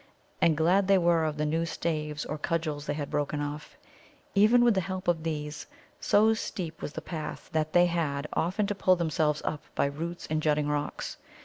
And glad they were of the new staves or cudgels they had broken off. Even with the help of these, so steep was the path that they had often to pull themselves up by roots and jutting rocks.